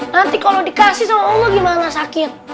nanti kalau dikasih sama allah gimana sakit